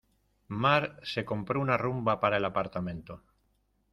Mar se compró una Rumba para el apartamento.